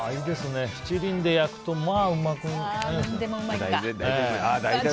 七輪で焼くと、まあうまくなる。